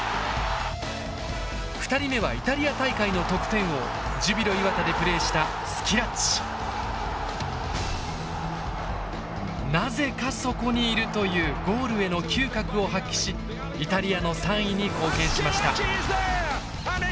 ２人目はイタリア大会の得点王ジュビロ磐田でプレーしたなぜかそこにいるというゴールへの嗅覚を発揮しイタリアの３位に貢献しました。